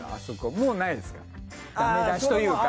もうないですか？